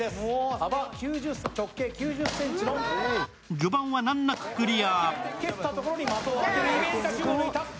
序盤は難なくクリア。